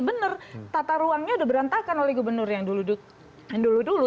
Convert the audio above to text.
benar tata ruangnya udah berantakan oleh gubernur yang dulu dulu